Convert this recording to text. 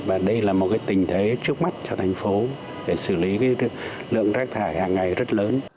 và đây là một tình thế trước mắt cho thành phố để xử lý lượng rác thải hàng ngày rất lớn